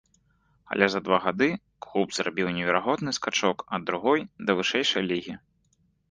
Але за два гады клуб зрабіў неверагодны скачок ад другой да вышэйшай лігі.